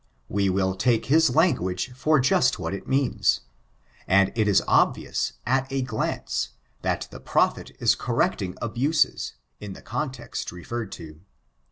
We will take his language for just what it means. And it is obvious, at a glance, that the prophet is correcting abuses, in the context referred to.